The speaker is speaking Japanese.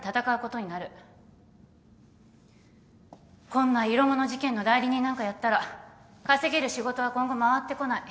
こんな色物事件の代理人なんかやったら稼げる仕事は今後回ってこない。